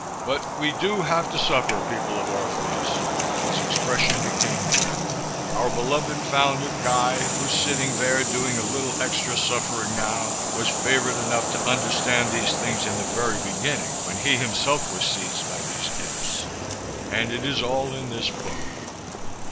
"But we do have to suffer, people of Orphalese." His expression became grim. "Our beloved founder, Guy, who's sitting there doing a little extra suffering now, was favored enough to understand these things in the very beginning, when he himself was seized by these imps. And it is all in this book!